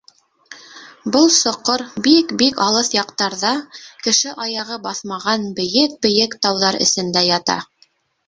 Был соҡор бик-бик алыҫ яҡтарҙа, кеше аяғы баҫмаған бейек-бейек тауҙар эсендә ята.